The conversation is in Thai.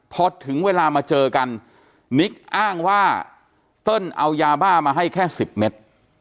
พอถึงเวลามาเจอกันนิกอ้างว่าเติ้ลเอายาบ้ามาให้แค่๑๐เมตร